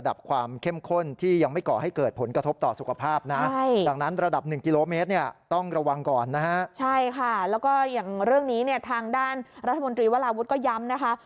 ทางด้านรัฐมนตรีวัลาวุฒิก็ย้ำนะคะ